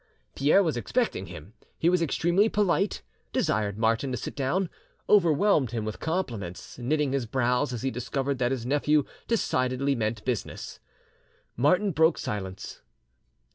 Pierre was expecting him; he was extremely polite, desired Martin, to sit down, overwhelmed him with compliments, knitting his brows as he discovered that his nephew decidedly meant business. Martin broke silence.